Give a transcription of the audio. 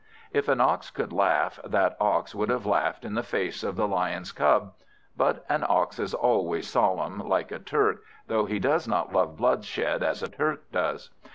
If an Ox could laugh, that Ox would have laughed in the face of the Lion's cub. But an Ox is always solemn, like a Turk, though he does not love bloodshed as a Turk does.